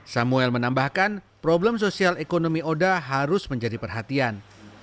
samuel menambahkan problem sosial ekonomi oda harus menjadi perhatian